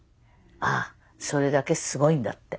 ああそれだけすごいんだって。